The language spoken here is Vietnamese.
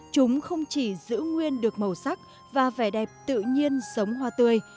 chúng không chỉ giữ nguyên được màu sắc và vẻ đẹp tự nhiên sống hoa tươi